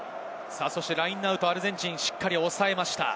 ラインアウト、アルゼンチン、しっかり抑えました。